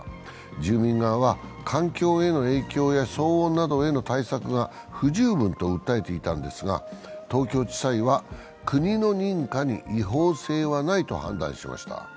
住民側は、環境への影響や騒音などへの対策が不十分と訴えていたんですが東京地裁は、国の認可に違法性はないと判断しました。